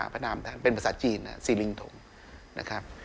พระนามท่านเป็นภาษาจีนสีลิงธรรม